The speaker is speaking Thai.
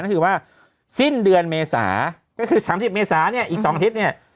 นั่นคือว่าสิ้นเดือนเมษาก็คือ๓๐เมษาอีก๒อาทิตย์